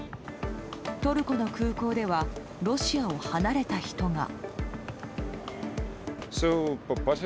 トルコの空港ではロシアを離れた人が。